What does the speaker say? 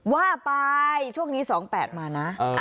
ว่าไปช่วงนี้๒๘มานะ